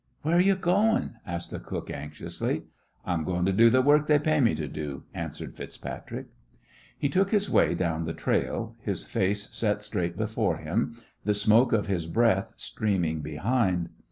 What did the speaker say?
"Where are ye goin'?" asked the cook, anxiously. "I'm goin' to do th' work they pay me to do," answered FitzPatrick. He took his way down the trail, his face set straight before him, the smoke of his breath streaming behind.